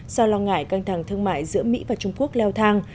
do lo ngại căng thẳng thương mại giữa mỹ và trung quốc leo thang